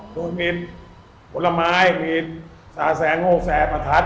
โดยมีผลไม้มีสาแสโง่แฟประทัด